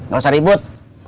gak usah ribut